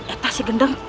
eh si gedeng